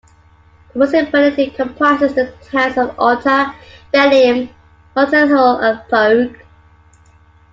The municipality comprises the towns of Aalter, Bellem, Lotenhulle and Poeke.